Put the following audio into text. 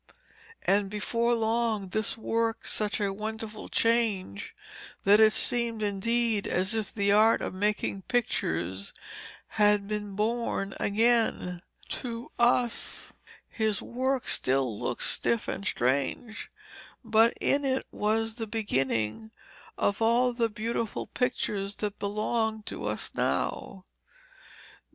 And before long this worked such a wonderful change that it seemed indeed as if the art of making pictures had been born again. To us his work still looks stiff and strange, but in it was the beginning of all the beautiful pictures that belong to us now.